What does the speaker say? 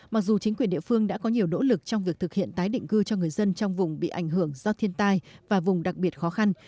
mặc dù chính quyền địa phương đã có nhiều nỗ lực trong việc thực hiện tái định cư cho người dân trong vùng bị ảnh hưởng do thiên tai và vùng đặc biệt khó khăn